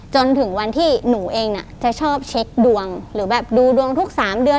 จนถึงวันที่หนูเองน่ะจะชอบเช็คดวงหรือแบบดูดวงทุก๓เดือน